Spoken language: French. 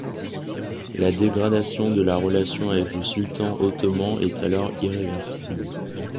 La dégradation de la relation avec le sultan ottoman est alors irréversible.